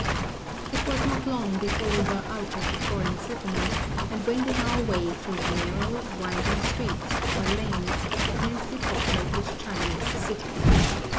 It was not long before we were out of the foreign settlement, and wending our way through the narrow, winding streets, or lanes, of the densely populated Chinese city.